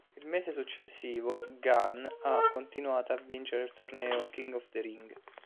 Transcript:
Il mese successivo, Gunn ha continuato a vincere il torneo "King of the Ring".